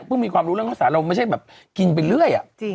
มีความรู้เรื่องข้าวสารเราไม่ใช่แบบกินไปเรื่อย